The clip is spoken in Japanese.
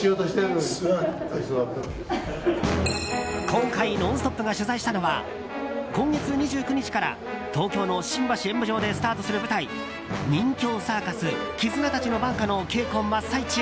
今回、「ノンストップ！」が取材したのは今月２９日から東京の新橋演舞場でスタートする舞台「任侠サーカスキズナたちの挽歌」の稽古真っ最中。